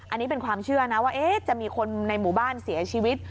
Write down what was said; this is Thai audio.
อันนี้เป็นความเชื่อนะว่าจะมีคนในหมู่บ้านเสียชีวิต